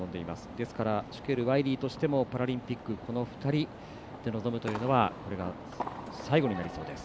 ですからシュケル、ワイリーとしてもパラリンピックこの２人で臨むというのはこれが最後になりそうです。